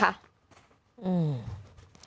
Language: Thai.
ขอบคุณที่